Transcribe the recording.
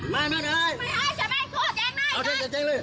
ไม่ให้แจ้งเลย